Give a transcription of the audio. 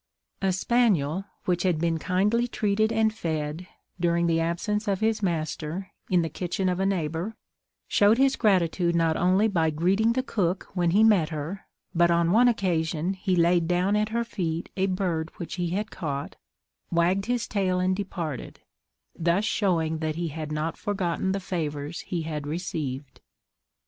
A spaniel which had been kindly treated and fed, during the absence of his master, in the kitchen of a neighbour, showed his gratitude not only by greeting the cook when he met her, but on one occasion he laid down at her feet a bird which he had caught, wagged his tail and departed; thus showing that he had not forgotten the favours he had received.